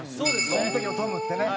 その時のトムってね。